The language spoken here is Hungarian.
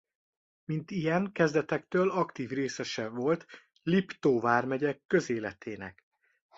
Mint ilyen kezdetektől aktív részese volt Liptó vármegye közéletének.